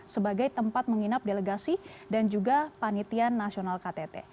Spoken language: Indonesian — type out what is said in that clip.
sebagai tempat menginap delegasi dan juga panitian nasional ktt